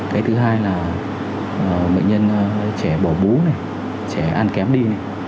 cái thứ hai là bệnh nhân trẻ bỏ bú trẻ ăn kém đi